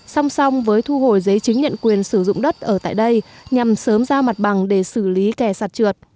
song song với thu hồi giấy chứng nhận quyền sử dụng đất ở tại đây nhằm sớm ra mặt bằng để xử lý kè sạt trượt